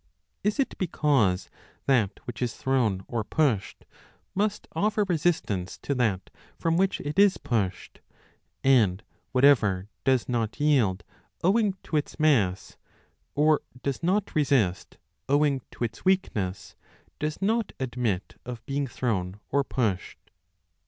Is it because that which is thrown or pushed must offer resistance to that from which it is pushed, and whatever does not yield owing to its mass, or does not resist owing to its weakness, does not admit of being thrown or pushed